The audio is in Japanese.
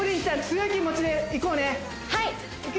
強い気持ちでいこうねはい！